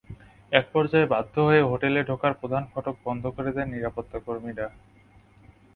একপর্যায়ে বাধ্য হয়ে হোটেলে ঢোকার প্রধান ফটক বন্ধ করে দেন নিরাপত্তাকর্মীরা।